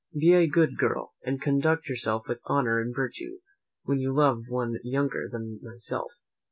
Be a good girl, and conduct yourself with honour and virtue, when you love one younger than myself.